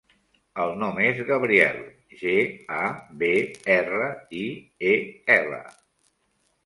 El nom és Gabriel: ge, a, be, erra, i, e, ela.